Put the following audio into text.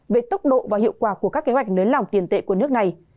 về tốc độ và hiệu quả của các kế hoạch nới lỏng tiền tệ của nước này